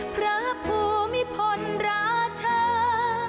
พระภูมิพลราชา